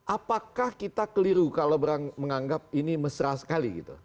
apakah kita keliru kalau menganggap ini mesra sekali gitu